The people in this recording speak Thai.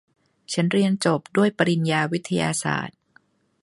ฉันเรียนจบด้วยปริญญาวิทยาศาสตร์